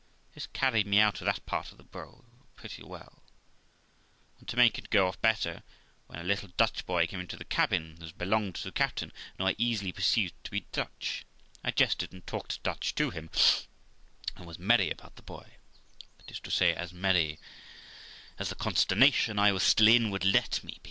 This carried me out of that part of the broil pretty well, and to make it go off better, when a little Dutch boy came Into the cabin, who belonged to the captain, and who I easily perceived to be Dutch, I jested and talked Dutch to him, and was merry about the boy, that is to say, as merry as the consternation I was still in would let me be.